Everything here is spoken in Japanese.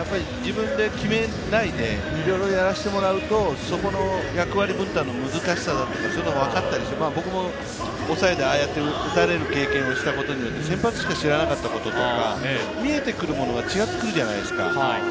自分で決めないでいろいろやらせてもらうとそこの役割分担の難しさが分かったりして、僕も抑えで打たれる経験をしたことによって先発しか知らなかったこととか、見えてくるものが違ってくるじゃないですか。